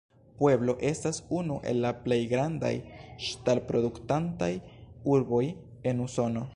Pueblo estas unu el la plej grandaj ŝtal-produktantaj urboj en Usono.